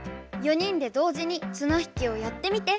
４人で同時に綱引きをやってみて！」。